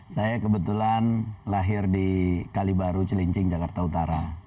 saya kebetulan lahir di kalibaru celincing jakarta utara